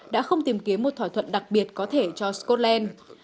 đã không tìm kiếm một thỏa thuận đặc biệt có thể cho scotland